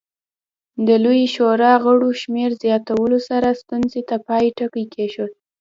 د لویې شورا غړو شمېر زیاتولو سره ستونزې ته پای ټکی کېښود.